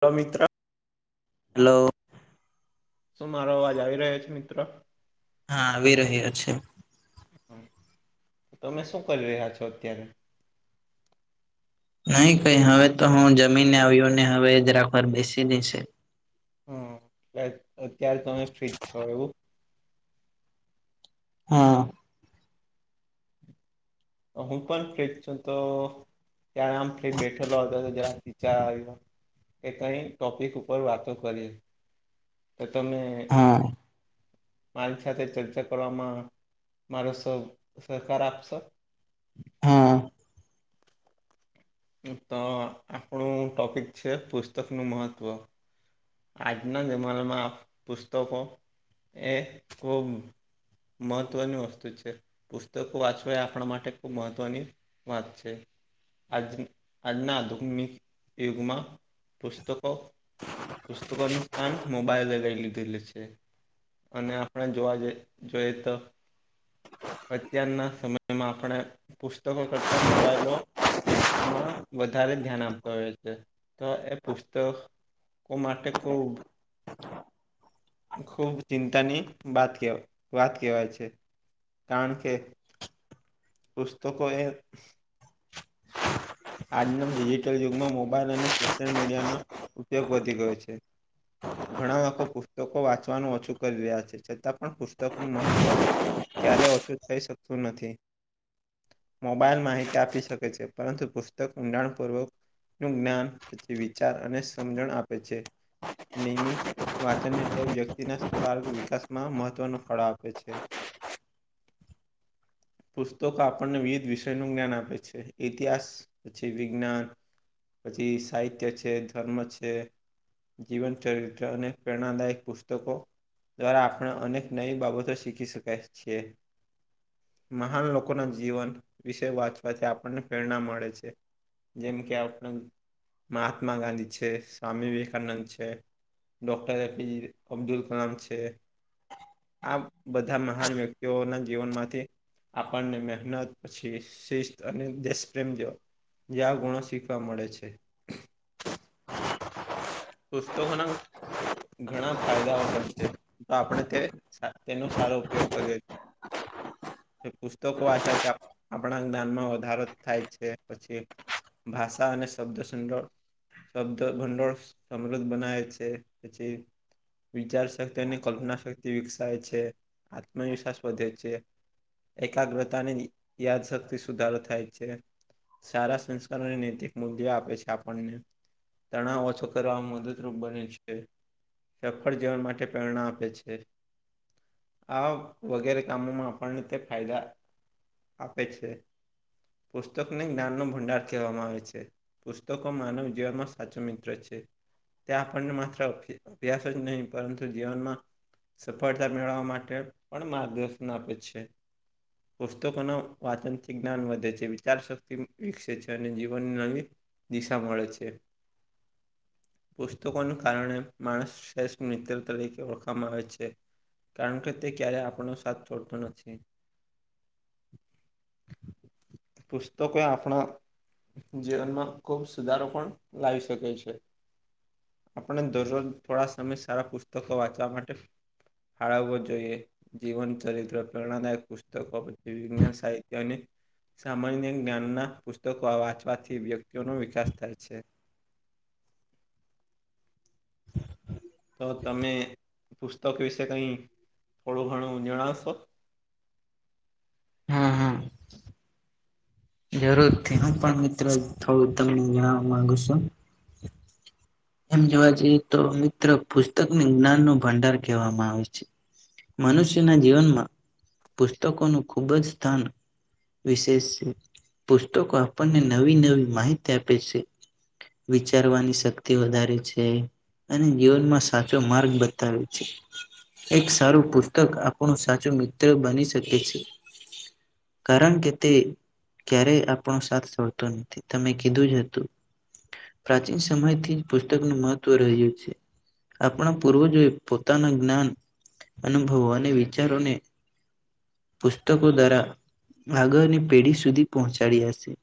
તો મિત્રા. હલો. શું મારો અવાજ આવી રહ્યો છે મિત્ર. હા આવી રહ્યો છે. તમે શું કરી રહ્યા છો અત્યારે. નહી કઈ હવે તો હું જમીનને આવ્યો ને હવે જરાક વાર બેસી દેશે. હમ અત અત્યારે તમે ફ્ર્રીજ છો એવું. હા. હું પણ ફ્રીજ છું તો. ત્યારે આમ થે બેઠેલો હતો તો જયાર વિચાર આવ્યો. એ કંઈ ટોપિક ઉપર વાતો કરી તો તમે. હા મારી સાથે ચર્ચા કરવામાં મારો સહ સહકાર આપશો. હા. તો આપણું ટૉપિક છે પુસ્તકનું મહત્ત્વ આજના જમાનામાં પુસ્તકો એ ખૂબ મહત્ત્વની વસ્તુ છે પુસ્તકો વાંચવા એ આપણા માટે ખૂબ મહત્ત્વની વાત છે. આજ આજના આધુનિક યુગમાં પુસ્તકો પુસ્તકો નુ સ્થાન મોબાઈલ લે લીધેલું છે. અને આપણે જોવા જઈ જોઈએ તો. અત્યારના સમયમાં આપણે પુસ્તકો કરતા મોબાઈલોમાં વધારે ધ્યાન આપતા હોય છે. તો એ પુસ્તક કો માટે કો. હ [inaudible] ખૂબ ચિંતાની વાત કે વાત કહેવાય છે કારણ કે પુસ્તકો એ. આનંદ દી. તો યુગમાં મોબાઈલ અને સોશિયલ મીડિયાનો ઉપયોગ વધી ગયો છે. ઘણા આંખો પુસ્તકો વાંચવાનું ઓછું કરી રહ્યા છે છતાં પણ પુસ્તકનું મહત્વ ક્યારે ઓછું થઈ શકતુ નથી મોબાઈલ માહિતી આપી શકે છે, પરંતુ પ ઊંડાણપૂર્વકનુ જ્ઞાન પછી વિચાર અને સમજણ આપે છે. નનેમી વાંચનની ટેપ વ્યક્તિના સ્પાર્ક વિકાસમાં મહત્વનો ફળો આપે છે. પુસ્તકો આપણને વિવિધ વિષયનું જ્ઞાન આપે છે ઇતિહાસ પછી વિજ્ઞાન પછી સાહિત્ય છે ધર્મ છે. જીવન ચરિત્ર અને પ્રેરણાદાયક પુસ્તકો દ્વારા આપણે અનેક નવી બાબતો શીખી શકાય છીએ. મહાન લોકોના જીવન વિશે વાંચવાથી આપણને પ્રેરણા મળે છે. જેમ કે આપણ મહાત્મા ગાંધી છે સ્વામી વિવેકાનંદ છે. ડોક્ટર એપી અબ્દુલ કલામ છે. આ બધા મહાન વ્યક્તિઓના જીવનમાંથી આપણને મહેનત પછી શિસ્ત અને દેશપ્રેમજ જે ગુણો શીખવા મળે છે. પુસ્તકોના ઘણા ફાયદાઓ પણ છે. તો આપણે તે તેનો સારો ઉપયોગ કરીએ પુસ્તકો આછાથી આપણા જ્ઞાનમાં વધારો થાય છે પછી ભાષા અને શબ્દંડળ શબ્દ ભંડોળ સમૃદ્ધ બનાવે છે, પછી વિચારશક્તિ અને કલ્પના શક્તિ વિકસાય છે આત્મવિશ્વાસ વધે છે. એકાગ્રતા ની યાદશક્તિ સુધારો થાય છે. સારા સંસ્કાર અને નૈતિક મુદ્્યો આપે છે આપણને તણાવ ઓછો કરવાવામાં મદદરૂપ બને છે સફળ જીવન માટે પ્રેરણા આપે છે. આ વગેરે કામોમાં આપણને તે ફાયદા આપે છે, પુસ્તકને જ્ઞાનનોો ભંડાર કહેવામાં આવે છે. પુસ્તક માનવ જીવનમાં સાચો મિત્ર છે. ત્યાં આપણને માત્ર અભ્યાસ જ નહીં પરંતુ જીવનમા સફળતા મેળવવા માટે પણ માર્ગદર્શન આપે છે. પુસ્તકોના વાચનથી જ્ઞાન વધે છે, વિચાર શક્તિ વિકસે છે અને જીવન નવી દિશા મળે છે. પુસ્તકોને કારણે માણસ શ્રેષ્ઠ મિત્ર તરીકે ઓળખવામાં આવે છે. કારણ કે તે ક્યારે આપણનોો સાથ છોડતો નથી પુસ્તકો એ આપણા જીવનમાં ખુબ સુધારો પણ લાવી શકે છે. આપણે દરરોજ થોડા સમય સારા પુસ્તકો વાંચવા માટે ફાળવવો જોઈએ જીવન ચરિત્ર પ્રેરણાદાય પુસ્તકો વિજ્ઞાન સાહિત્ય અને સામાન્ય જ્ઞાનના પુસ્તકો વાંચવાથી વ્યક્તિઓનો વિકાસ થાય છે. તો તમે પુસ્તક વિશે કંઈ થોડું ઘણું જણાવશો હા હા જરૂર છે હ પણ મિત્રો થોડું તમને જણવા માંગુ છુ. એમ જોવા જઈએ તો મિત્ર પુસ્તકને જ્ઞાન નો ભંડાર કહેવામાં આવે છે. મનુષ્યના જીવનમાં પુસ્તકોનું ખુબ જ સ્થાન વિશેષ છે પુસ્તકો આપણને નવી નવી માહિતી આપે છે. વિચારવાની શક્ તે વધારે છે અને જીવનમાં સાચો માર્ગ બતાવે છે. એક સારું પુસ્તક આપણું સાચું મિત્ર બની શકે છે. કરણ કે તે ક્યારેય આપણો સાથ સોડતો નથી. તમે કીધું જ હતુ. પ્રાચીન સમયથી પુસ્તકનું મહત્વ રહ્યું છે. આપણા પૂર્વજોએ પોતાના જ્ઞાન અનુભવો અને વિચારોને પુસ્તકો દ્વારા આગળની પેઢી સુધી પહોંચાડી હતી.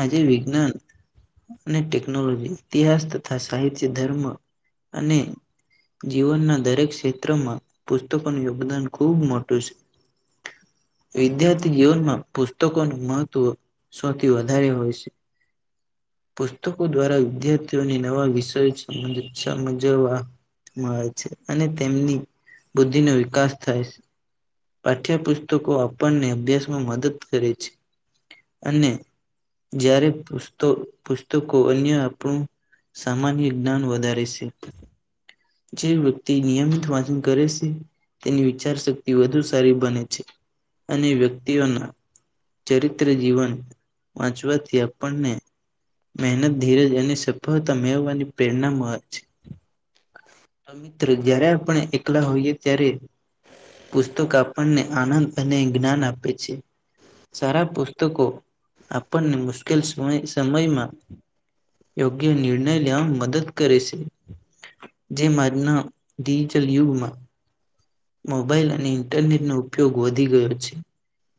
આજે વિજ્ઞાન ને ટેકનોલોજી, ઇતિહાસ તથા સાહિત્ય ધર્મ અને જીવનના દરેક ક્ષેત્રમાં પુસ્તકોનું યોગદાન ખૂબ મોટું છે. વિદ્યાર્થી જીવનમાં પુસ્તકોનું મહત્વ સૌથી વધારે હોય છે. પુસ્તકો દ્વારા વિદ્યાર્થીઓને નવા વિષયબંધ સમજવા મળે છે અને તેમની બુદ્ધિનો વિકાસ થાય છે. પાઠ્યપુસ્તકો આપણને અભ્યાસમાં મદદ કરે છે અને જ્યારે પુસ્ત પુસ્તકો અન્ય આપણું સામાન્ય જ્ઞાન વધારે સે. જે વ્યક્તિ નિયમિત વાંસન કરે સે તેની વિચારશક્તિ વધુ સારી બને છે અને વ્યક્તિઓના ચરિત્ર જીવન વાંચવાથી આપણને મહેનત ધીરજ અને સફળતા મેળવવાની પ્રેરણા મળે છે. તો મિત્ર‌ જયારે આપણે એકલા હોઈએ ત્યારે પુસ્તક આપણને આનંદ અને જ્ઞાન આપે છે. સારા પુસ્તકો આપણને મુશ કેલ સમયમાં યોગ્ય નિર્ણય લેવા મદદ કરે છે. જેમ આજના ડિજિટલ યુગમાં મોબાઈલ અને ઇન્ટરનેટનો ઉપયોગ વધી ગયો છે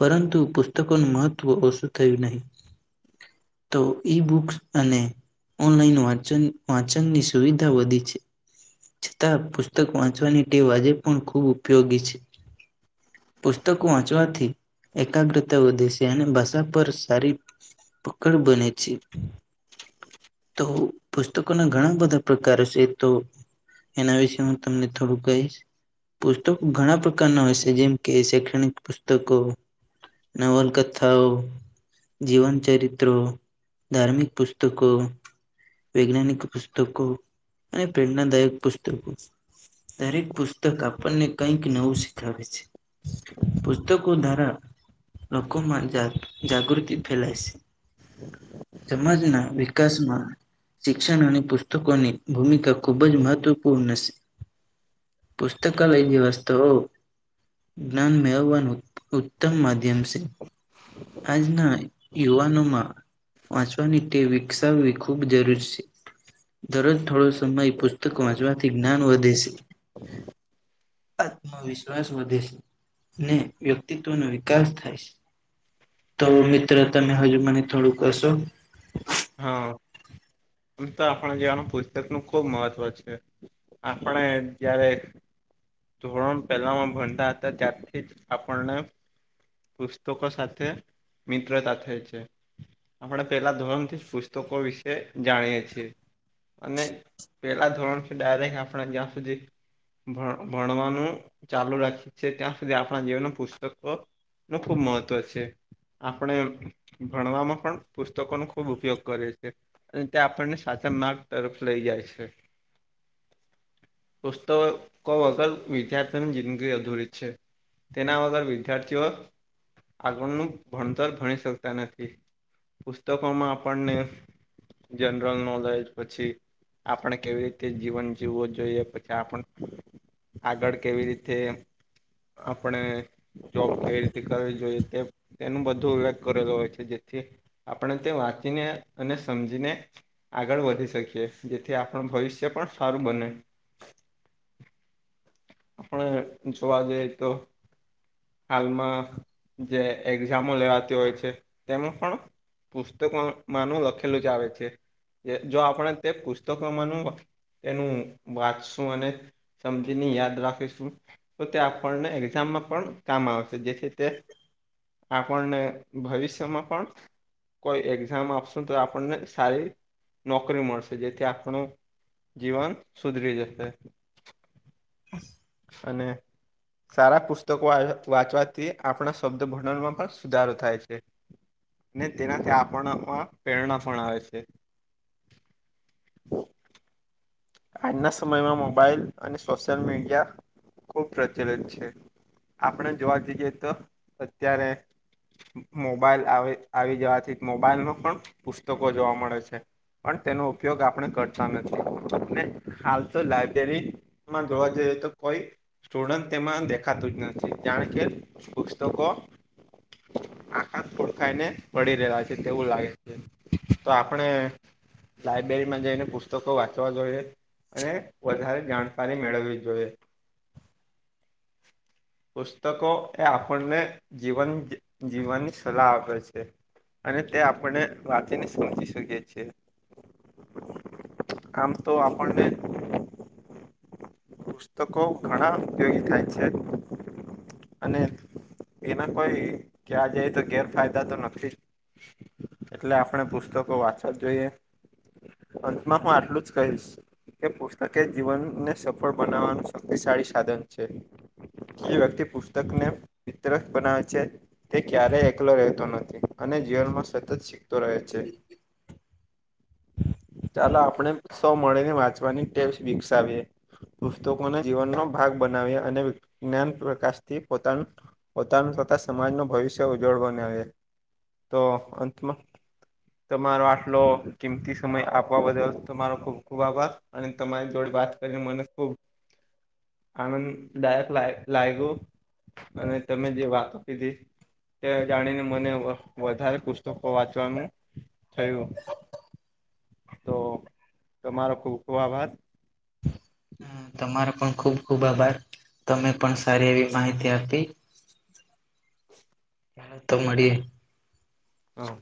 પરંતુ પુસ્તકોનું મહત્વ ઓછું થયું નહી. તો ઈ-બુક્સ અને ઓનલાઈન વાચન વાંચનની સુવિધા વધી છે. છતાં પુસ્તક વાંચવાની ટેવ આજે પણ ખૂબ ઉપયોગી છે. પુસ્તકો વાંચવાથી એકાગ્રતા વધે સે અને ભાષા પર સારી પકડ બને છે. તો પુસ્તકોના ઘણા બધા પ્રકાર સે તો એના વિશે હું તમને થોડું કહીશ. પુસ્તકો ઘણા પ્રકારના હોય છે જેમ કે શૈક્ષણિક પુસ્તકો, નવલકથાઓ, જીવન ચરિત્ર, ધાર્મિક પુસ્તકો વૈજ્ઞાનિક પુસ્તકો અને પ્રેરણાદાયક પુસ્તકો. દરેક પુસ્તક આપ ણને કઈક નવું શીખડાવે છે. પુસ્તકો દ્વારા લોકોમાં જાગ જાગૃતિ ફલાાય છે. [unintelligible] સમાજના વિકાસમાં શિક્ષણ અને પુસ્તકોની ભૂમિકા ખુબ જ મહત્વપૂર્ણ છે. પુસ્તકાલય જે વસ્તુઓ જ્ઞાન મેળવવાનું ઉત્તમ માધ્યમ સે આજના યુવાનોમાં વાંચવાની ટેવ વિકસાવવી ખૂબ જરૂરી છે. દરરોજ થોડો સમય પુસ્તક વાંચવાથી જ્ઞાન વધે છે. [inaudible] આત્મવિશ્વાસ વધે છે, ને વ્યક્તિત્વનો વિકાસ થાય છે. તો મિત્ર તમે હજુ મને તોડુંક કશો? હા. ઓંમ તો આપણે જેવાનું પુસ્તક નું ખુબ મહત્વ છે આપણે જયારે ધોરણ પહેલામાં ભણતા હતા ત્યારથી જ આપણને પુસ્તકો સાથે મિત્રતા થઈ છે. આપણે પેલા ધોરણ થી પુસ્તકો વિશે જાણીએ છીએ. અને પેલા ધોરણથી ડાયરેક્ટ આપણે જ્યાં સુધી ભ ભણવાનું ચાલુ રાખીએ છે ત્યાં સુધી આપણા જીવનમાં પુસ્તકો નું ખુબ મહત્વ છે. આપણે ભણવામાં પણ પુસ્તકોનો ખૂબ ઉપયોગ કરીએ છીએ. અને તે આપણને સાચા માર્ગ તરફ લઈ જાય છે. પુસ્તો કો વગર વિદ્યાર્થીઓની જિંદગી અધુરી છે તેના વગર વિદ્યાર્થીઓ આગળનું ભણતર ભણી શકતા નથી પુસ્તકોમાં આપણને જનરલ નોલેજ પછી આપણે કેવી રીતે જીવન જીવવું જોઈએ પછી આપણ આગળ કેવી રીતે આપણે જોબ કઈ રીતે કરવી જોઈએ તે તેનું બધું [unintelligible] કરેલો હોય છે જેથી આપણે તે વાંચીને અને સમજીને આગળ વધી શકીએ જેથી આપણું ભવિષ્ય પણ સારું બને. આપણે જોવા જઈએ તો હાલમાં જે એક્ઝામો લેવાતી હોય છે તેમાં પણ પુસ્તકોમાં નું લખેલું જ આવે છે જે જો આપણે તે પુસ્તકોમાંનું તેનું વાંચશું અને સમજીની યાદ રાખીશું તો તે આપણને એક્ઝામમાં પણ કામ આવશે જેથી તે આપણને ભવિષ્યમાં પણ કોઈ એક્ઝામ આપસું તો આપણને સારી નોકરી મળશે જેથી આપણું જીવન સુધરી જશે. [unintelligible] અને સારા પુસ્તકો વાહ્ય વાંચવાથી આપણા શબ્દ ભડોણમાં પણ સુધારો થાય છે. ને તેનાથી આપણમાં પ્રેરણા પણ આવે છે. [inaudible] આજના સમયમાં મોબાઈલ અને સોશિયલ મીડિયા ખૂબ પ્રચલિત છે. આપણે જોવા જઈએ તો અત્યારે મોબાઈલ આવે આવી જવાથી મોબાઈલ નો પણ પુસ્તકો જોવા મળે છે. પણ તેનો ઉપયોગ આપણે કરતા નથી. ને હાલ તો લાયબ્રેરીમાં જોવા જઈએ તો કોઈ સ્ટુડન્ટ તેમાં દેખાતું જ નથી જાણ કે પુસ્તકો આખા ધુળ ખાઈને પડી રેવા છે તેવું લાગે છે. તો આપણે લઇબ્રેરીમાં જઈને પુસ્તકો વાંચવા જોઈએ. અને વધારે જાણકારી મેળવવી જોઈએ. પુસ્તકો એ આપણને જીવન જી જીવવાની સલાહ આપે છે. અને તે આપણે વાંચીને સમજી શકી છીએ. આમ તો આપણને પુસ્તકો ઘણા ઉપયોગી થાય છે અને એના કોઈ ક્યાં જાય તો ગેરફાયદા તો નથી જ. એટલે આપણે પુસ્તકો વાંચવા જ જોઈએ. અંતમાં પણ આટલું જ કહીશ. કે પુસ્તકએ જીવનને સફળ બનાવવાનું શક્તિશાળી સાધન છે. જે વ્યક્તિ પુસ્તકને મિત્ર બનાવે છે, તે ક્યારેય એકલો રહેતો નથી. અને જીવનમાં સતત શીખતો રહે છે. ચાલો આપણે સૌ મળીને વાંચવાની ટેવ વિકસાવીએ. પુસ્તકોને જીવનનો ભાગ બનાવ્યા, અને જ્ઞાન પ્રકાશથી પોતા પોતાનું તથા સમાજનું ભવિષ્ય ઉજ્જવળ બનાવીએ. તો અંતમાં તમારો આટલો કિંમતી સમય આપવા બદલ તમારો ખૂબ ખૂબ આભાર. અને તમારી જોડે વાત કરીને મને ખૂબ આનંદદાયક લાય લાગ્યું અને તમે જે વાતો કીધી. તે જાણીને મને વધારે પુસ્તકો વાંચવાનું થયું તો તમારો ખુબ ખુબ આભાર. હહ તમારો પણ ખુબ ખુબ આભાર. તમે પણ સારી એવી માહિતી આપી. ચલો તો મળીએે. હા